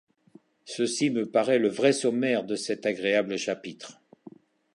Ceci me paraît le vrai sommaire de cet agréable chapitre.